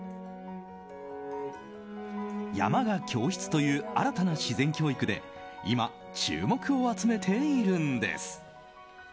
山が教室という新たな自然教育で今、注目を集めているんです。